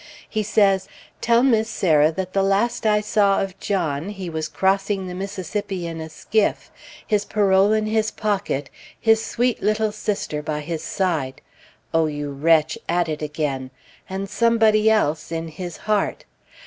He says, "Tell Miss Sarah that the last I saw of John, he was crossing the Mississippi in a skiff, his parole in his pocket, his sweet little sister by his side," (O you wretch! at it again!) "and Somebody else in his heart."